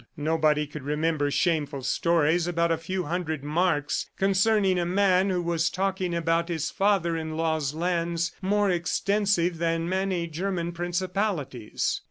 Nobody could remember shameful stories about a few hundred marks concerning a man who was talking about his father in law's lands, more extensive than many German principalities.